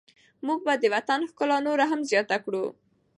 موږ به د وطن ښکلا نوره هم زیاته کړو.